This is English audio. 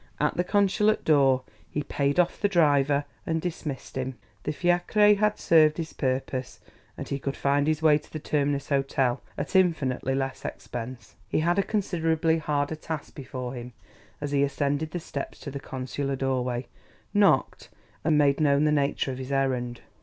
At the consulate door he paid off the driver and dismissed him; the fiacre had served his purpose, and he could find his way to the Terminus Hôtel at infinitely less expense. He had a considerably harder task before him as he ascended the steps to the consular doorway, knocked and made known the nature of his errand.